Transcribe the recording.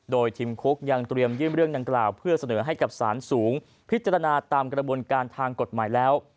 โดยทีมคุกยังเตรียมยื่นเรื่องดังกล่าวเพื่อเสนอให้กับสารสูงพิจารณาตามกระบวนการทางกฎหมายแล้ว